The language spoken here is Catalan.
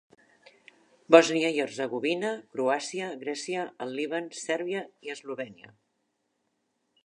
Bòsnia i Hercegovina, Croàcia, Grècia, el Líban, Sèrbia i Eslovènia.